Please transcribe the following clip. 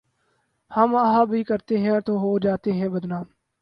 ہم آہ بھی کرتے ہیں تو ہو جاتے ہیں بدنام